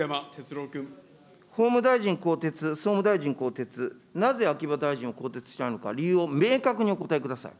法務大臣更迭、総務大臣更迭、なぜ秋葉大臣を更迭しないのか、理由を明確にお答えください。